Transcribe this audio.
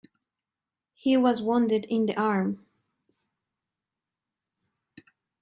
He was wounded in the arm.